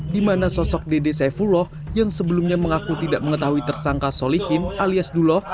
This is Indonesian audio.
di mana sosok dede saifullah yang sebelumnya mengaku tidak mengetahui tersangka solihin alias duloh